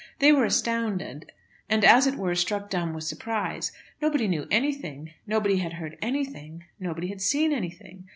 They were astounded, and, as it were, struck dumb with surprise. Nobody knew anything, nobody had heard anything, nobody had seen anything.